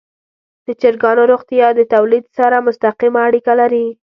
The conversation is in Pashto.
د چرګانو روغتیا د تولید سره مستقیمه اړیکه لري.